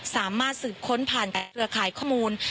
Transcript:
สามารถสืบค้นผ่านเครือข่ายข้อมูล